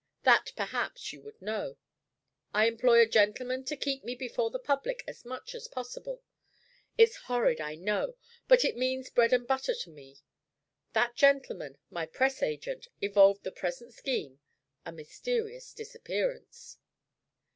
That, perhaps, you would know. I employ a gentleman to keep me before the public as much as possible. It's horrid, I know, but it means bread and butter to me. That gentleman, my press agent, evolved the present scheme a mysterious disappearance."